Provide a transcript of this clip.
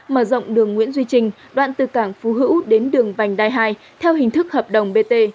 mở rộng đường nguyễn duy trinh đoạn từ cảng phú hữu đến đường vành đai hai theo hình thức hợp đồng bt